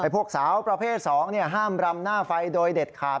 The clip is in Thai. พวกสาวประเภท๒ห้ามรำหน้าไฟโดยเด็ดขาด